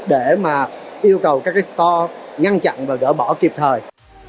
để mà yêu cầu các store ngăn chặn và gỡ bỏ kịp thời